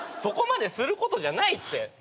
そこまですることじゃないって。